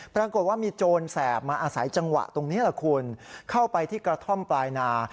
ปรากฏว่ามีโจรแสบมาอาศัยจังหวะตรงนี้แหละคุณเข้าไปที่กระท่อมปลายนา